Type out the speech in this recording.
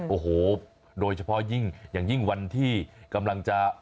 โอ้โหโดยเฉพาะยิ่งอย่างยิ่งวันที่กำลังจะ